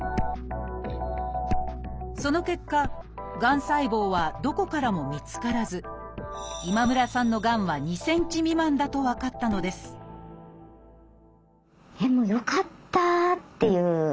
その結果がん細胞はどこからも見つからず今村さんのがんは２ｃｍ未満だと分かったのですよかった！っていう。